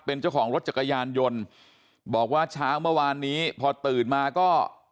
เป็นเจ้าของรถจักรยานยนต์บอกว่าเช้าเมื่อวานนี้พอตื่นมาก็